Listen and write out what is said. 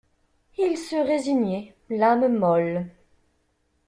Il se résignait, l'âme molle.